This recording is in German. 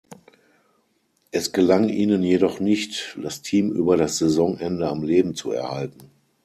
Es gelang ihnen jedoch nicht, das Team über das Saisonende am Leben zu erhalten.